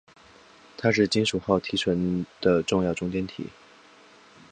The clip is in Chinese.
它是金属锆提纯的重要中间体。